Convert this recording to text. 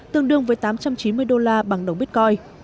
tương đương với tám trăm chín mươi đô la bằng đồng bitcoin